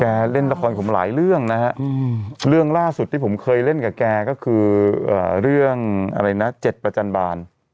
เล่นละครผมหลายเรื่องนะฮะเรื่องล่าสุดที่ผมเคยเล่นกับแกก็คือเรื่องอะไรนะ๗ประจันบาล